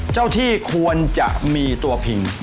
เจ้าที่ควรจะมีตัวพิง